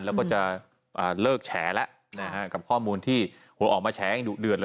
แล้วก็จะเลิกแฉละนะฮะกับข้อมูลที่ออกมาแฉลอย่างเดือด